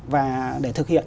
và để thực hiện